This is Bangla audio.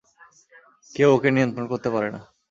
কেউ ওকে নিয়ন্ত্রণ করতে পারে না।